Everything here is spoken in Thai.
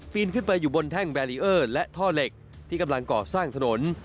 นขึ้นไปอยู่บนแท่งแบรีเออร์และท่อเหล็กที่กำลังก่อสร้างถนน